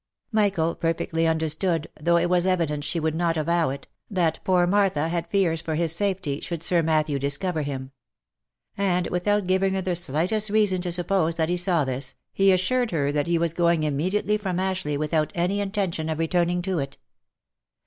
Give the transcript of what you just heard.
Michael perfectly understood, though it was evident she would not avow it, that poor Martha had fears for his safety, should Sir Matthew discover him ; and without giving her the slightest reason to suppose that he saw this, he assured her that he was going immediately from Ashleigh without any intention of returning to it.